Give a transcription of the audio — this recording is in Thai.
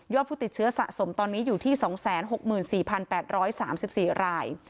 ผู้ติดเชื้อสะสมตอนนี้อยู่ที่๒๖๔๘๓๔ราย